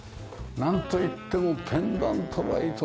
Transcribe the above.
なんといってもペンダントライトですよね。